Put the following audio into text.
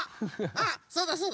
あそうだそうだ。